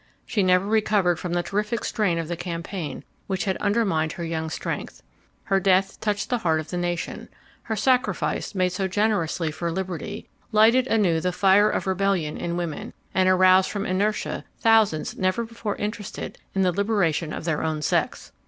She never recovered from the terrific strain of the campaign which had undermined her young strength. Her death touched the heart of the nation; her sacrifice, made so generously for liberty, lighted anew the fire of rebellion in women, and aroused from inertia thousands never before interested in the liberation of their own sex.